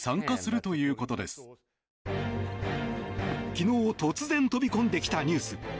昨日、突然飛び込んできたニュース。